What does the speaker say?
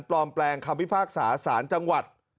ปลอมแปลงคำพิพากษาสารจังหวัด